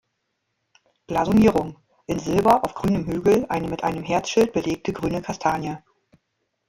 Blasonierung: „In Silber auf grünem Hügel eine mit einem Herzschild belegte grüne Kastanie.